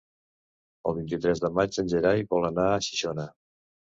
El vint-i-tres de maig en Gerai vol anar a Xixona.